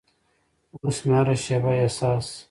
اوس مې هره شیبه احساس